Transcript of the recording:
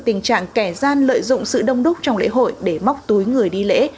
tình trạng kẻ gian lợi dụng sự đông đúc trong lễ hội để móc túi người đi lễ